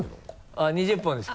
あっ２０本です